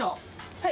はい。